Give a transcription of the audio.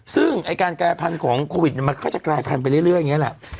ซึ่งไอ้การกลายพันธุ์ของโควิดมันก็จะกลายพันธุไปเรื่อยอย่างนี้แหละ